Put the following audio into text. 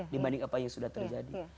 dibanding apa yang sudah terjadi